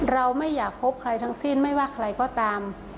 เราไม่อยากพบใครทั้งสิ้นไม่ว่าใครก็ตาม